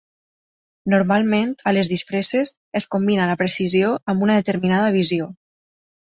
Normalment, a les disfresses, es combina la precisió amb una determinada visió.